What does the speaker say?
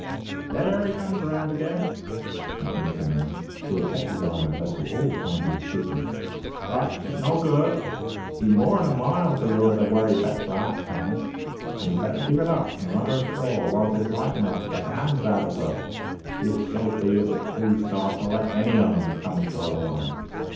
There he comes round again," continued the man, who had kept his eye on the vessel all the time he was speaking; "but it's no good; he's more 'n a mile to leeward of where he fetched last time, and he'd better give it up and run her ashore whilst 'tis light enough to get the hands out of her, if so be as it please God to let any on 'em come ashore alive."